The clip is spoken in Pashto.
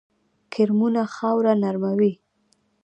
کرمونه خاوره نرموي